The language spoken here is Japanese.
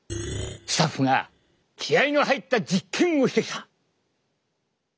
スタッフが気合いの入った実験をしてきた！